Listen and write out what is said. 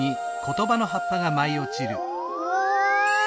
うわ！